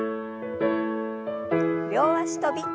両脚跳び。